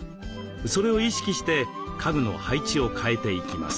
それを意識して家具の配置を変えていきます。